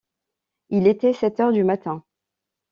Il était sept heures du matin.